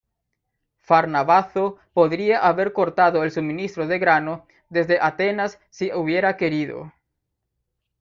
Farnabazo podría haber cortado el suministro de grano desde Atenas si hubiera querido.